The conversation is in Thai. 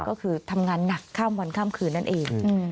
ก็คือทำงานหนักข้ามวันข้ามคืนนั่นเอง